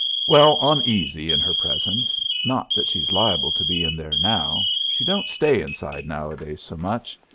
"Well oneasy in her presence. Not that she's liable to be in there now. She don't stay inside nowadays so much.